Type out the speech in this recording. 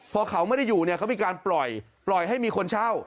พอเขาไม่ได้อยู่เนี่ยเขามีการปล่อยปล่อยให้มีคนเช่า